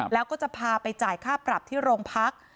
แล้วก็จะพาไปจ่ายค่าปรับที่โรงพัก